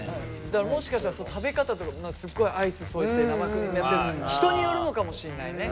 だからもしかしたら食べ方とかすっごいアイス添えて生クリームやって人によるのかもしれないね。